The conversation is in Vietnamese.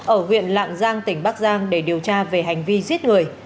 ở huyện lạng giang tỉnh bắc giang để điều tra về hành vi giết người